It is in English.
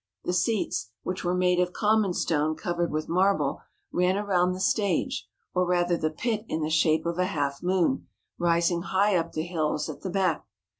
The seats, which were made of common stone covered with marble, ran around the stage or rather the pit in the shape of a half moon, rising high up the hills at the back.